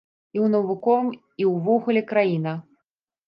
І ў навуковым, і ўвогуле краіна.